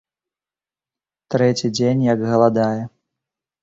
Трэці дзень, як галадае.